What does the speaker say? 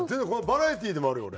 バラエティーでもあるよ俺。